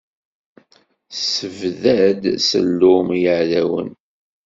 Issebdad ssellum i yeɛdawen.